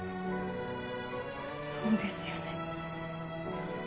そうですよね。